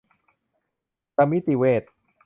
สมิติเวช